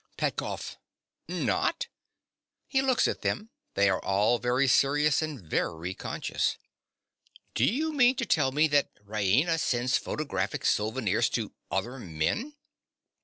PETKOFF. Not! (He looks at them. They are all very serious and very conscious.) Do you mean to tell me that Raina sends photographic souvenirs to other men?